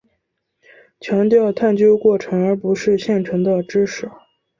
强调探究过程而不是现成的知识。